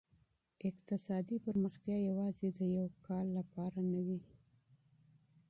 اقتصادي پرمختيا يوازي د يوه کال لپاره نه وي.